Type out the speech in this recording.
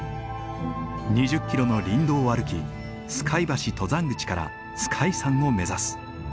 ２０キロの林道を歩き皇海橋登山口から皇海山を目指す。